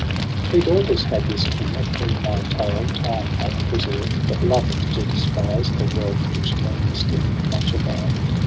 Three daughters had this King, of whom my tale Time hath preserved, that loveth to despise The wealth which men misdeem of much avail.